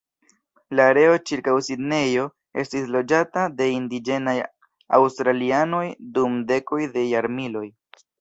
La areo ĉirkaŭ Sidnejo estis loĝata de indiĝenaj aŭstralianoj dum dekoj da jarmiloj.